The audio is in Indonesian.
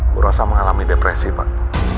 bu rosa mengalami depresi pak